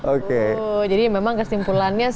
oke jadi memang kesimpulannya